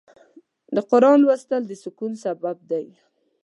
د قرآن لوستل د سکون سبب دی.